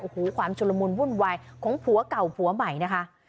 โอ้โหความชุลมุนวุ่นวายของผัวเก่าผัวใหม่นะคะ